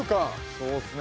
◆そうですね。